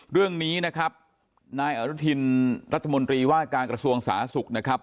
เรื่องนี้นะครับนายอนุทินรัฐมนตรีว่าการกระทรวงสาธารณสุขนะครับ